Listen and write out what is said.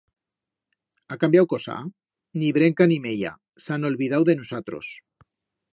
Ha cambiau cosa? Ni brenca ni meya, s'han olbidau de nusatros.